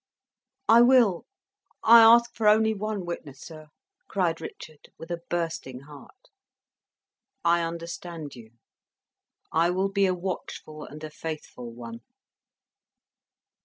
"I will! I ask for only one witness, sir," cried Richard, with a bursting heart. "I understand you. I will be a watchful and a faithful one."